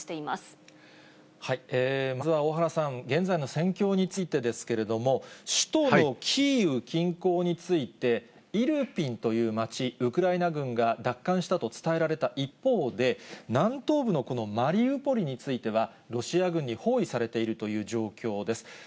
まずは小原さん、現在の戦況についてですけれども、首都のキーウ近郊について、イルピンという町、ウクライナ軍が奪還したと伝えられた一方で、南東部のこのマリウポリについては、ロシア軍に包囲されているという状況です。